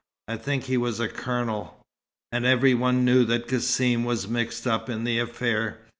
I think he was a colonel; and every one knew that Cassim was mixed up in the affair.